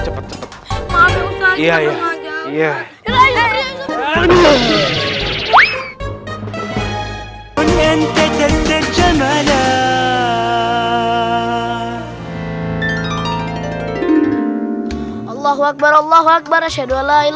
tapi enggak boleh menginstintifin